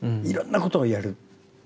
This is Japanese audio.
いろんなことをやる。